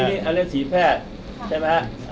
อันนี้อันเล่นศีพรรดใช่ไหมฮะ